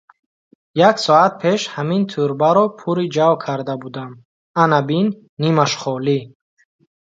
Як соат пеш ҳамин тўрбаро пури ҷав карда будам, ана бин, нимаш холӣ.